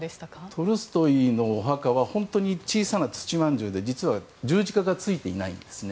トルストイのお墓は本当に小さな土のところで十字架がついていないんです。